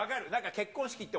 結婚式行って。